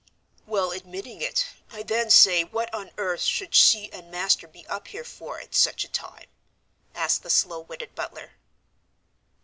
"Well, admitting it, I then say what on earth should she and Master be up here for, at such a time?" asked the slow witted butler.